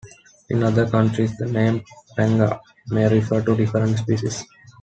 In other countries, the name "panga" may refer to a different species.